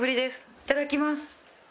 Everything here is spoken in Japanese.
いただきます。